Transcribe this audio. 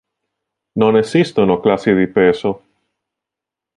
Non esistono classi di peso.